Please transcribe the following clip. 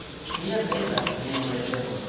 Mi atendas vian leteron.